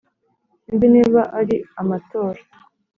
Sinzi niba ari amatora